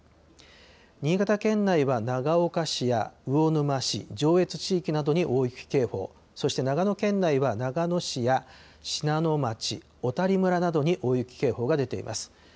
新潟県内は長岡市や魚沼市、上越地域などに大雪警報、そして長野県内は長野市や信濃町、小谷村などに大雪警報が出ています。